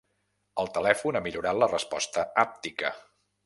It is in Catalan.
El telèfon ha millorat la resposta hàptica.